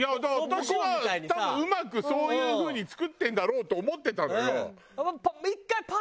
私は多分うまくそういう風に作ってるんだろうと思ってたのよ。